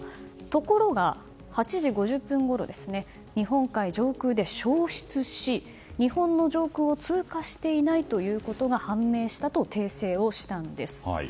ところが、８時５０分ごろ日本海上空で消失し日本の上空を通過していないということが判明したと訂正をしたんです。